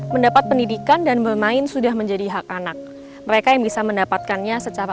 mendapat pendidikan dan bermain sudah menjadi hak anak mereka yang bisa mendapatkannya secara